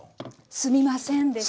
「すみませんでした」。